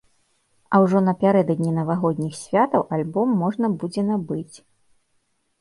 А ужо напярэдадні навагодніх святаў альбом можна будзе набыць.